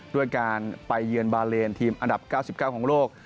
ด้วยการไปเยือนบาเลนทีมอันดับ๙๙ของโลก